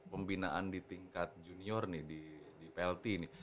pembinaan di tingkat junior nih di plt ini